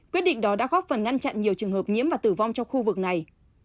quyết định đó đã góp phần ngăn chặn nhiều trường hợp nhiễm và tử vong trong khu vực này